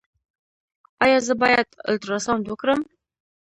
ایا زه باید الټراساونډ وکړم؟